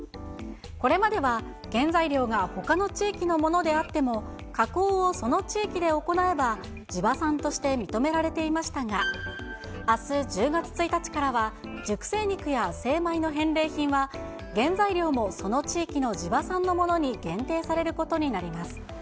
これまでは原材料がほかの地域のものであっても、加工をその地域で行えば地場産として認められていましたが、あす１０月１日からは、熟成肉や精米の返礼品は、原材料もその地域の地場産のものに限定されることになります。